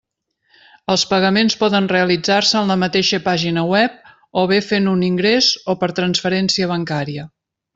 Els pagaments poden realitzar-se en la mateixa pàgina web o bé fent un ingrés o per transferència bancària.